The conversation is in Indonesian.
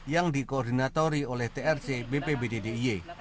yang dikoordinatori oleh trc bpbd d i e